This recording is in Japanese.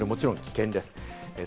これはもちろん危険です。